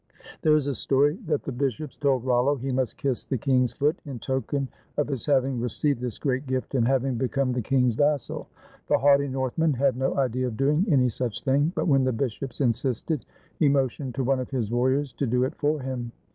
There is a story that the bishops told Rollo he must kiss the king's foot in token of his having received this great gift and having become the king's vassal. The haughty Northman had no idea of doing any such thing; but when the bishops insisted, he motioned to one of his war riors to do it for him.